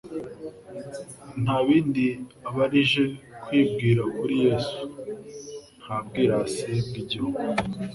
Nta bindi abarije kwibwira kuri Yesu, nta bwirasi bw'igihugu